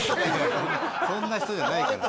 そんな人じゃないから。